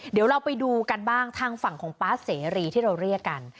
เดี๋ยวเราไปดูกันบ้างทางฝั่งของป๊าเสรีที่เราเรียกกัน